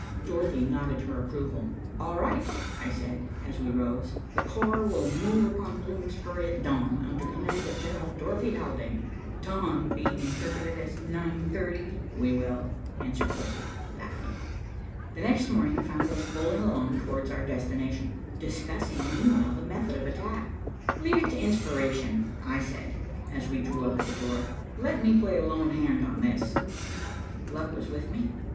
Dorothy nodded her approval. "All right," I said, as we rose. "The corps will move upon Bloomsbury at dawn, under command of General Dorothy Haldane." "Dawn being interpreted nine thirty, we will," answered Dorothy laughing. The next morning found us bowling along towards our destination, discussing meanwhile the method of attack. "Leave it to inspiration," I said, as we drew up at the door. "Let me play a lone hand on this." Luck was with me.